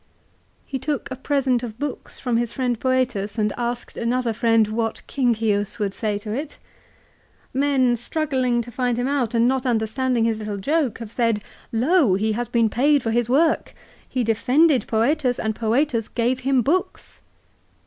He took a present of books from his friend Foetus, and asked another friend what " Cincius " would say to it ? Men struggling to find him out, and not understanding his little joke, have said, " Lo ! he has been paid for his work ! He defended Foetus and Foetus gave him books."